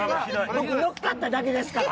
僕乗っかっただけですから。